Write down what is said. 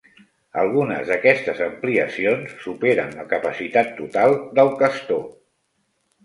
Algunes d'aquestes ampliacions superen la capacitat total del Castor.